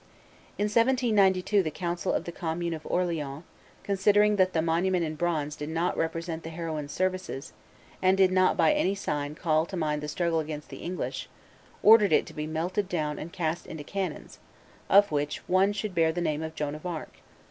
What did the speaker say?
In 1792 the council of the commune of Orleans, "considering that the monument in bronze did not represent the heroine's services, and did not by any sign call to mind the struggle against the English," ordered it to be melted down and cast into cannons, of which "one should bear the name of Joan of Arc."